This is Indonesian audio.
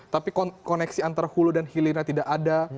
tapi koneksi antara hulu dan hilirnya tidak ada